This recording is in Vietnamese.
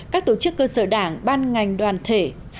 các tổ chức cơ sở đảng ban ngành đoàn thể